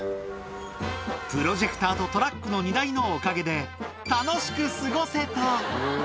プロジェクターとトラックの荷台のおかげで、楽しく過ごせた。